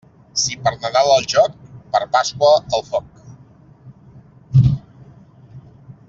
Si per Nadal al joc, per Pasqua al foc.